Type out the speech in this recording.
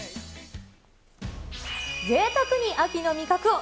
ぜいたくに秋の味覚を。